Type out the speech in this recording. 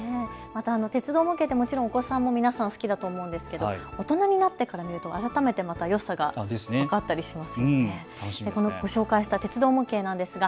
また鉄道模型ってもちろんお子さんも皆さん好きだと思うんですけれども大人になってから見るとまたよさが分かったりしますよね。